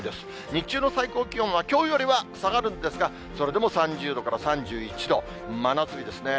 日中の最高気温はきょうよりは下がるんですが、それでも３０度から３１度、真夏日ですね。